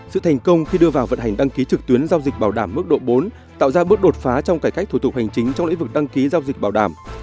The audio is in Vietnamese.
sự thành công khi đưa vào vận hành đăng ký trực tuyến giao dịch bảo đảm mức độ bốn tạo ra bước đột phá trong cải cách thủ tục hành chính trong lĩnh vực đăng ký giao dịch bảo đảm